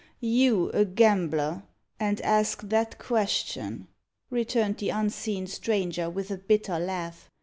"You a gambler, and ask that question!" returned the unseen stranger, with a bitter laugh.